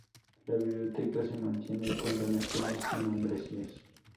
La biblioteca se mantiene con donaciones y membresías.